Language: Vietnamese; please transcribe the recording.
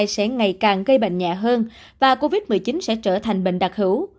sẽ ngày càng gây bệnh nhẹ hơn và covid một mươi chín sẽ trở thành bệnh đặc hữu